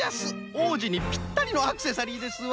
おうじにぴったりのアクセサリーですわ。